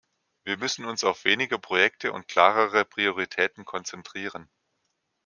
Wir müssen uns auf weniger Projekte und klarere Prioritäten konzentrieren.